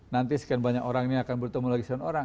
nanti sekian banyak orang ini akan bertemu lagi sekian orang